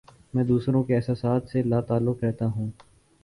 میں دوسروں کے احساسات سے لا تعلق رہتا ہوں